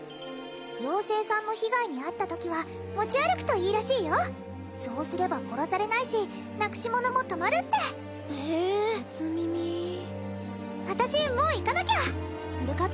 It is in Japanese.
ようせいさんの被害に遭ったときは持ち歩くといいらしいよそうすれば殺されないしなくしものも止まるって・へえっ・初耳私もう行かなきゃ部活？